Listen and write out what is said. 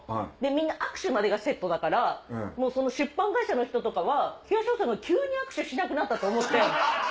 みんな握手までがセットだからもうその出版会社の人とかは東野さんが急に握手しなくなったと思って。